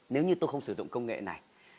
nếu như tôi không sử dụng công nghệ này